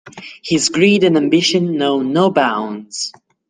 His greed and ambition know no bounds.